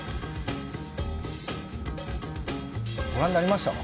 ご覧になりましたか？